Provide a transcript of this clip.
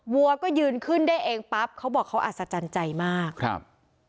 วัวก็ยืนขึ้นได้เองปั๊บเขาบอกเขาอัศจรรย์ใจมากครับ